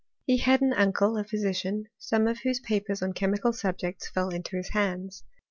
He had an uncle a physfaj some of whose papers on chemical subjects fell i his hands.